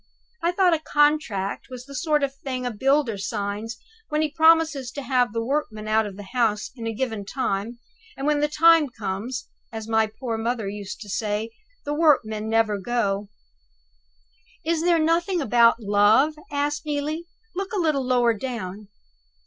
I thought a contract was the sort of a thing a builder signs when he promises to have the workmen out of the house in a given time, and when the time comes (as my poor mother used to say) the workmen never go." "Is there nothing about Love?" asked Neelie. "Look a little lower down."